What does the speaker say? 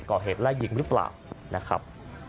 ก่อเหตุไล่ยิงหรือเปล่านะครับ